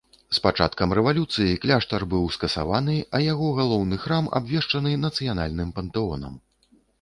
З пачаткам рэвалюцыі кляштар быў скасаваны, а яго галоўны храм абвешчаны нацыянальным пантэонам.